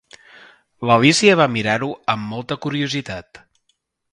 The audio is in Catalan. L'Alícia va mirar-ho amb molta curiositat.